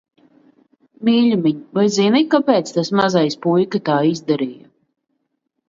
Mīļumiņ, vai zini, kāpēc tas mazais puika tā izdarīja?